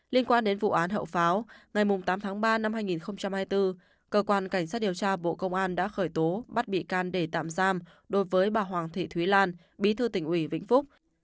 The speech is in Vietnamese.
liên quan đến vụ án hậu pháo ngày tám tháng ba năm hai nghìn hai mươi bốn cơ quan cảnh sát điều tra bộ công an đã khởi tố bắt bị can để tạm giam đối với bà hoàng thị thúy lan bí thư tỉnh ủy vĩnh phúc